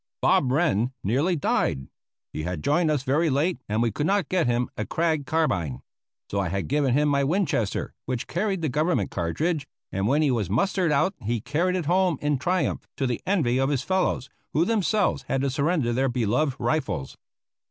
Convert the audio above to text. Bob Wrenn nearly died. He had joined us very late and we could not get him a Krag carbine; so I had given him my Winchester, which carried the government cartridge; and when he was mustered out he carried it home in triumph, to the envy of his fellows, who themselves had to surrender their beloved rifles.